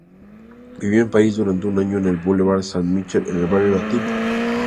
Vivió en París durante un año en el Boulevard Saint-Michel en el Barrio Latino.